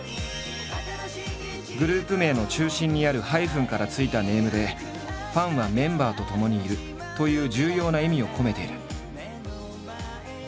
グループ名の中心にあるハイフンから付いたネームで「ファンはメンバーとともにいる」という重要な意味を込めている。